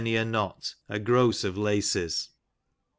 a knot; a gross of laces."